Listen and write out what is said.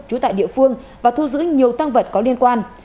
trú tại địa phương và thu giữ nhiều tăng vật có liên quan